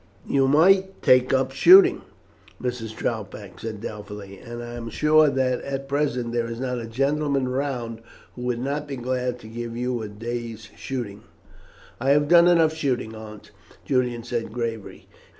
"You might take to shooting," Mrs. Troutbeck said doubtfully; "and I am sure that at present there is not a gentleman round who would not be glad to give you a day's shooting." "I have done enough shooting, Aunt," Julian said gravely.